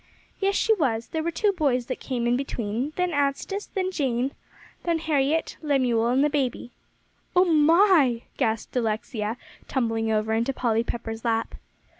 "Yes, she was: there were two boys came in between; then Anstice, then Jane, Harriett, Lemuel, and the baby." "Oh my!" gasped Alexia, tumbling over into Polly Pepper's lap.